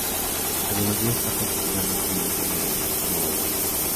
La melodía está particularmente bien diseñada y es conmovedora.